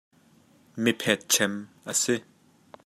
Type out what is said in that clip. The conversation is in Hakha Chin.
Mi phetchem a si.